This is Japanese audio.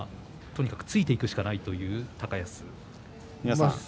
とにかくついていくしかないという高安です。